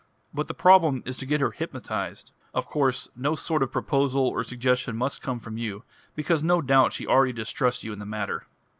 "But the problem is to get her hypnotised. Of course no sort of proposal or suggestion must come from you because no doubt she already distrusts you in the matter."